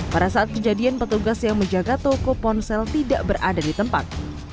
pada saat kejadian petugas yang menjaga toko ponsel tidak berada di tempat